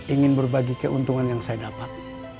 ingin berbagi keuntungan yang saya dapat